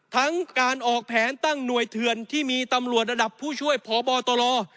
ทั้งการออกแผนตั้งหน่วยเถื่อนที่มีตำรวจระดับผู้ช่วยพบตร